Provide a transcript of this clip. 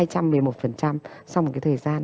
sau một cái thời gian